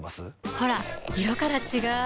ほら色から違う！